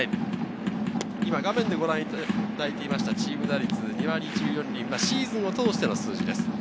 画面でご覧いただいていましたチーム打率、シーズンを通しての数字です。